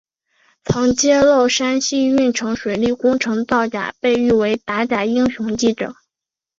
曾揭露山西运城水利工程造假被誉为打假英雄记者。